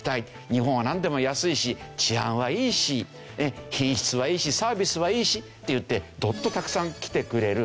日本はなんでも安いし治安はいいし品質はいいしサービスはいいしっていってどっとたくさん来てくれる。